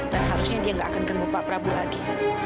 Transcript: dan harusnya dia nggak akan genggam pak prabu lagi